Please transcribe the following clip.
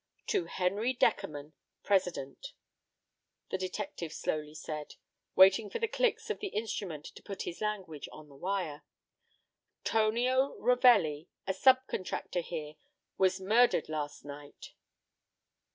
"To Henry Deckerman, president," the detective slowly said, waiting for the clicks of the instrument to put his language on the wire; "Tonio Ravelli, a sub contractor here, was murdered last night."